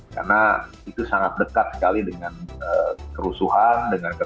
karena kita juga tidak mampu menampung ribuan penonton